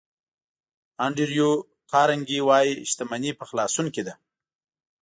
انډریو کارنګي وایي شتمني په خلاصون کې ده.